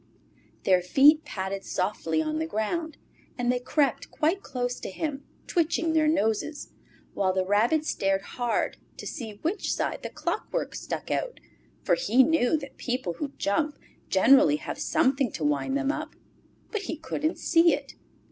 Their feet padded softly on the ground, and they crept quite close to him, twitching their noses, while the Rabbit stared hard to see which side the clockwork stuck out, for he knew that people who jump generally have something to wind them up. But he couldn't see it.